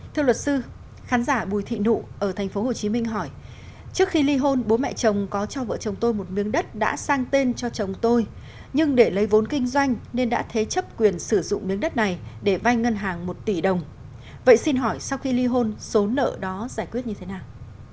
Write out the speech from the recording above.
thưa luật sư khán giả bùi thị nụ ở tp hcm hỏi trước khi ly hôn bố mẹ chồng có cho vợ chồng tôi một miếng đất đã sang tên cho chồng tôi nhưng để lấy vốn kinh doanh nên đã thế chấp quyền sử dụng miếng đất này để vay ngân hàng một tỷ đồng vậy xin hỏi sau khi ly hôn số nợ đó giải quyết như thế nào